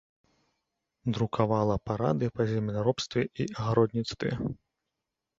Друкавала парады па земляробстве і агародніцтве.